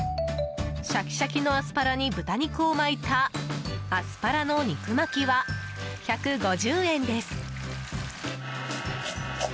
シャキシャキのアスパラに豚肉を巻いたアスパラの肉巻は１５０円です。